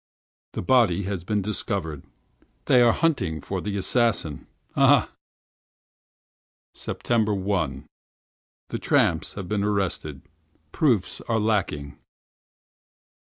The body has been discovered. They are hunting for the assassin. Ah! ah! 1st September. Two tramps have been arrested. Proofs are lacking.